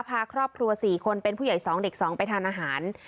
พาครอบครัว๔คนเป็นผู้ใหญ่๒เด็ก๒ไปทานอาหาร